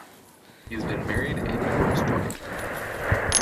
He has been married and divorced twice.